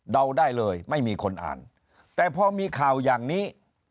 ได้เลยไม่มีคนอ่านแต่พอมีข่าวอย่างนี้